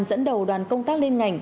dẫn đầu đoàn công tác lên ngành